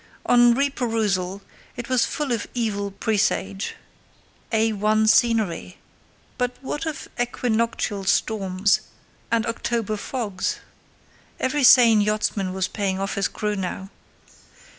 On reperusal, it was full of evil presage—"A1 scenery"—but what of equinoctial storms and October fogs? Every sane yachtsman was paying off his crew now.